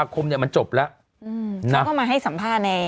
เขาก็มาให้สัมภาษณ์ใน